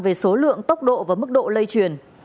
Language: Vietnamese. về số lượng tốc độ và mức độ lây truyền